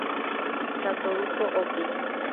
Satoru Oki